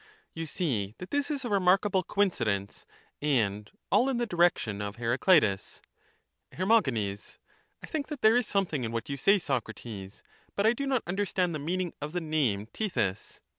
You see that this is a remarkable coincidence, and all in the direction of Heracleitus. Her. I think that there is something in what you say, Socrates ; but I do not understand the meaning of the name xethys.